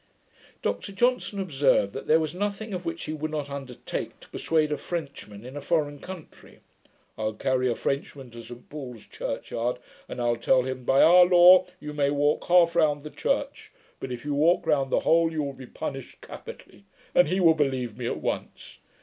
Dr Johnson observed, that there was nothing of which he would not undertake to persuade a Frenchman in a foreign country. I'll carry a Frenchman to St Paul's Church yard, and I'll tell him, "by our law you may walk half round the church; but, if you walk round the whole, you will be punished capitally", and he will believe me at once.